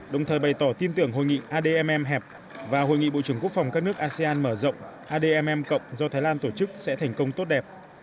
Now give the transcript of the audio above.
đồng thời bày tỏ tin tưởng hội nghị admm hẹp và hội nghị bộ trưởng quốc phòng các nước asean mở rộng admm cộng do thái lan tổ chức sẽ thành công tốt đẹp